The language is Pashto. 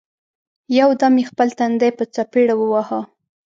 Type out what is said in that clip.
یو دم یې خپل تندی په څپېړه وواهه!